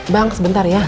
bang sebentar ya